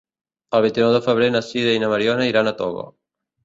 El vint-i-nou de febrer na Sira i na Mariona iran a Toga.